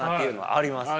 ありますよね。